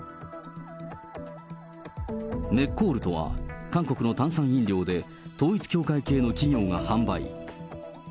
メッコールとは、韓国の炭酸飲料で、統一教会系の企業が販売。